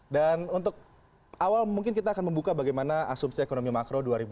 untuk awal mungkin kita akan membuka bagaimana asumsi ekonomi makro dua ribu dua puluh